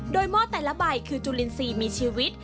โดยหม้อแต่ละใบคือจุลินทรีย์มีชีวิต